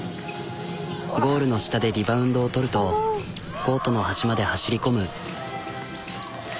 ゴールの下でリバウンドを取るとコートの端まで走り込む。